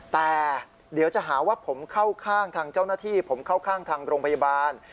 แต่เดี๋ยวจะหาว่าผมเข้าข้างทางเจ้าหน้าที่ผมเข้าข้างทางโรงพยาบาล